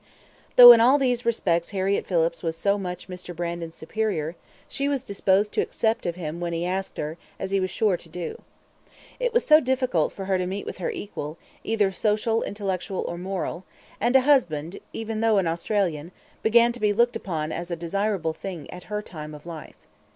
Though in all these respects Harriett Phillips was so much Mr. Brandon's superior, she was disposed to accept of him when he asked her, as he was sure to do. It was so difficult for her to meet with her equal, either social, intellectual, or moral; and a husband, even though an Australian, began to be looked upon as a desirable thing at her time of life.